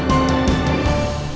jangan lupa untuk mencoba